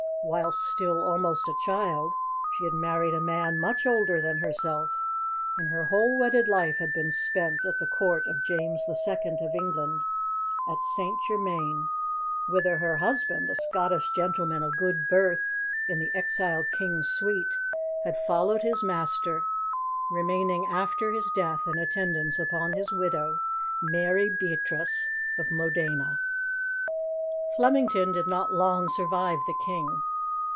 Whilst still almost a child, she had married a man much older than herself, and her whole wedded life had been spent at the Court of James II. of England at St. Germain, whither her husband, a Scottish gentleman of good birth in the exiled King's suite, had followed his master, remaining after his death in attendance upon his widow, Mary Beatrice of Modena. Flemington did not long survive the King.